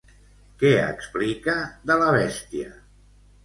Què explica de la bèstia?